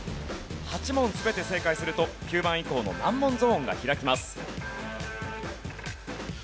８問全て正解すると９番以降の難問ゾーンが開きます。